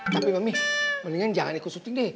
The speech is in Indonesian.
tapi mami mendingan jangan ikut syuting deh